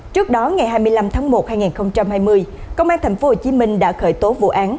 trước đó ngày hai mươi năm tháng một hai nghìn hai mươi công an tp hcm đã khởi tố vụ án